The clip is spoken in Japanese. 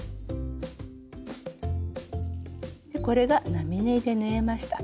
これが並縫いで縫えました。